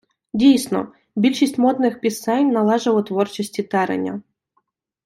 Дійсно, більшість модних пісень належало творчості Тереня.